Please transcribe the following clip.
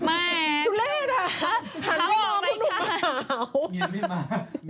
ไม่คุณเล่นอะฮัลโหลคุณลูกหาว